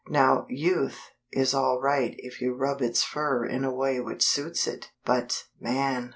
Now Youth is all right if you rub its fur in a way which suits it; but, man!!